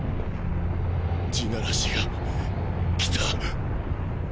地鳴らしが来た！！